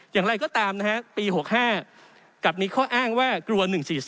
อย่างไรก็ตามนะฮะปี๖๕กลับมีข้ออ้างว่ากลัว๑๔๒